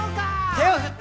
「手を振って」